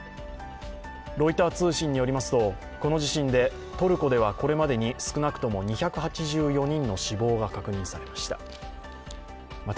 ロイター通信によりますと、この地震でトルコではこれまでに少なくとも２８４人の死亡が確認されました。